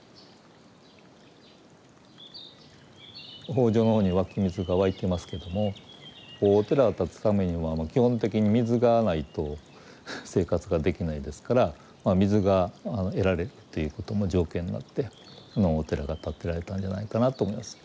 方丈のほうに湧き水が湧いてますけどもお寺が建つためには基本的に水がないと生活ができないですから水が得られるということも条件になってこのお寺が建てられたんじゃないかなと思います。